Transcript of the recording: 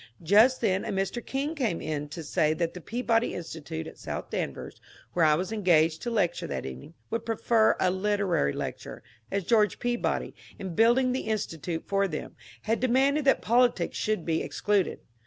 Just then a Mr. King came in to say that the Peabody Institute at South Danvers, where I was engaged to lecture that evening, would prefer a literary lecture, as Greorge Peabody, in building the Institute for them, had demanded that politics should be excluded.